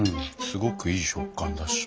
すごくいい食感だし。